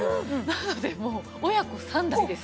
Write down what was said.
なのでもう親子３代です。